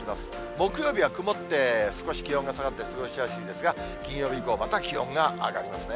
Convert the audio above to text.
木曜日は曇って、少し気温が下がって過ごしやすいですが、金曜日以降、また気温が上がりますね。